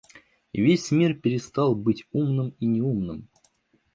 И весь мир перестал быть умным и неумным.